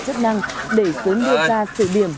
chức năng để xuống đưa ra sự điểm